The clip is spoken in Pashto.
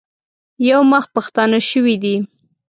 یو مخ پښتانه شوي دي.